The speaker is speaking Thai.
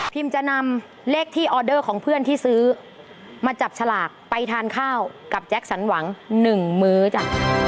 จะนำเลขที่ออเดอร์ของเพื่อนที่ซื้อมาจับฉลากไปทานข้าวกับแจ็คสันหวัง๑มื้อจ้ะ